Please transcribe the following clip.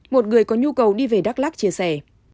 một người có nhu cầu đi về đắk lắc chia sẻ